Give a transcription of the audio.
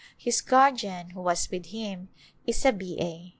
His guardian, who was with him, is a B. A.